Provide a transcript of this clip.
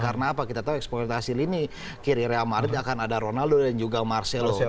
karena apa kita tahu eksploitasi lini kiri real madrid akan ada ronaldo dan juga marcelo